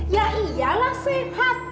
ya iyalah sehat